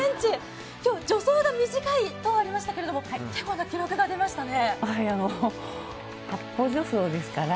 今日、助走が短いとありましたが結構な記録が出ましたね。